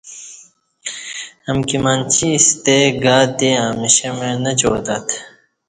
امکی منچی ستے گاتے امشیں مع نچاتت